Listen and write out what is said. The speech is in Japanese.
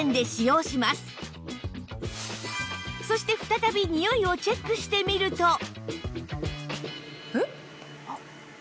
そして再びニオイをチェックしてみると